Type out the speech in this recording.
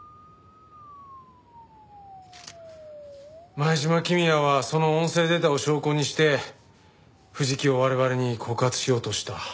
前島公也はその音声データを証拠にして藤木を我々に告発しようとした。